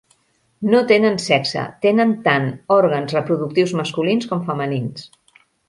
No tenen sexe, tenen tant òrgans reproductius masculins com femenins.